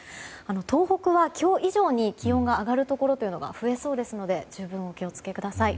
東北は今日以上に気温が上がるところが増えそうですので十分お気をつけください。